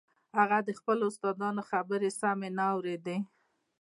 هغه د خپلو استادانو خبرې سمې نه اورېدې.